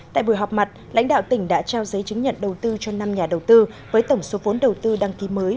tại buổi họp mặt lãnh đạo tỉnh đã trao giấy chứng nhận đầu tư cho năm nhà đầu tư với tổng số vốn đầu tư đăng ký mới